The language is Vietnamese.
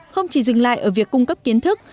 không chỉ dừng lại ở việc cung cấp kiến thức